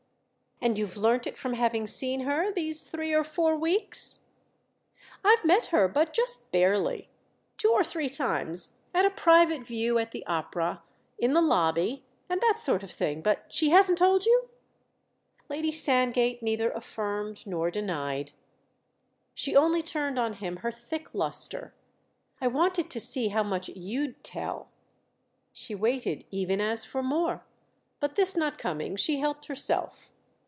"And you've learnt it from having seen her—these three or four weeks?" "I've met her—but just barely—two or three times: at a 'private view' at the opera, in the lobby, and that sort of thing. But she hasn't told you?" Lady Sandgate neither affirmed nor denied; she only turned on him her thick lustre. "I wanted to see how much you'd tell." She waited even as for more, but this not coming she helped herself.